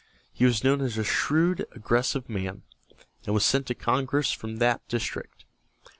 He was known as a shrewd, aggressive man, and was sent to Congress from that district.